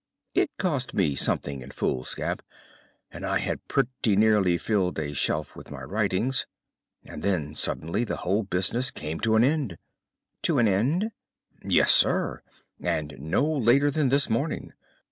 It cost me something in foolscap, and I had pretty nearly filled a shelf with my writings. And then suddenly the whole business came to an end." "To an end?" "Yes, sir. And no later than this morning.